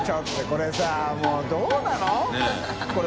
これさもうどうなの？ねぇ。